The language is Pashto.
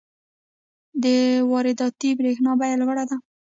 د وارداتي برښنا بیه لوړه ده.